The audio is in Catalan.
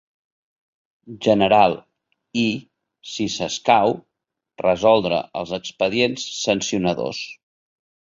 General i, si s'escau, resoldre els expedients sancionadors.